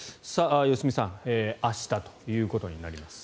良純さん明日ということになります。